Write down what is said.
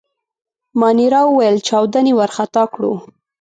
مانیرا وویل: چاودنې وارخطا کړو.